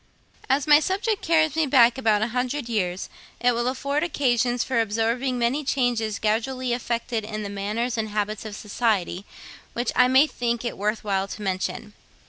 As my subject carries me back about a hundred years, it will afford occasions for observing many changes gradually effected in the manners and habits of society, which I may think it worth while to mention.